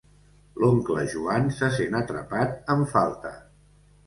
L'oncle Joan se sent atrapat en falta.